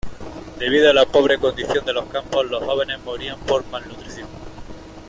Debido a la pobre condición en los campos, los jóvenes morían por malnutrición.